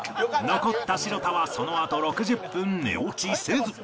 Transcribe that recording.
残った城田はそのあと６０分寝落ちせず